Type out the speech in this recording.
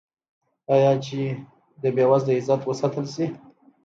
آیا چې د بې وزله عزت وساتل شي؟